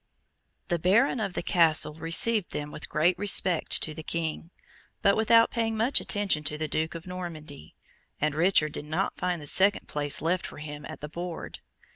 The Baron of the Castle received them with great respect to the King, but without paying much attention to the Duke of Normandy, and Richard did not find the second place left for him at the board.